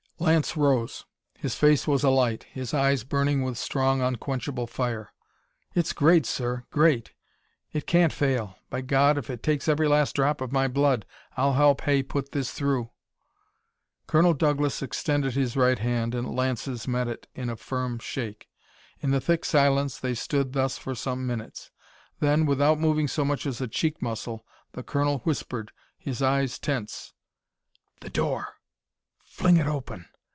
Lance rose. His face was alight, his eyes burning with strong, unquenchable fire. "It's great, sir, great! It can't fail! By God, if it takes every last drop of my blood, I'll help Hay put this through!" Colonel Douglas extended his right hand and Lance's met it in a firm shake. In the thick silence they stood thus for some minutes. Then, without moving so much as a cheek muscle, the colonel whispered, his eyes tense: "_The door! Fling it open!